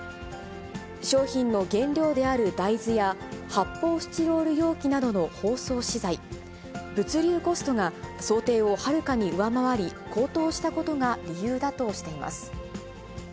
商品の原料である大豆や発泡スチロール容器などの包装資材、物流コストが想定をはるかに上回り、高騰したことが理由だとしています。